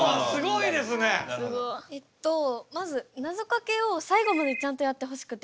まずなぞかけを最後までちゃんとやってほしくて。